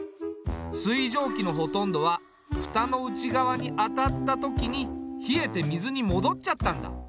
水蒸気のほとんどは蓋の内側に当たった時に冷えて水に戻っちゃったんだ。